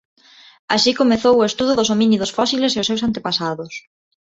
Así comezou o estudo dos homínidos fósiles e os seus antepasados.